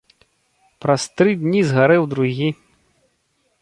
Праз тры дні згарэў другі.